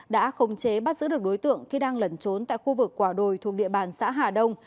đã không chế bắt giữ được đối tượng khi đang lẩn trốn tại khu vực quả đồi thuộc địa bàn xã hà đông